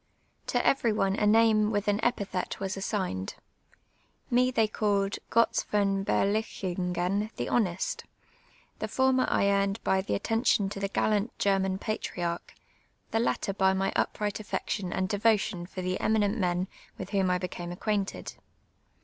To every one a name with an epithet was assi^ied. Me they called " Gotz von IJer lichiuf^cn the honest.' The former I earned by the atten tion to the «:allant German ])atriarch, the latter by my upri;;ht affection and devotion for the eminent men with whom I be came accpiainted.